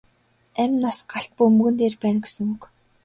Амь нас галт бөмбөгөн дээр байна гэсэн үг.